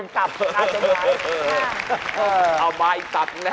ตาไปกินตับตาจนหวาย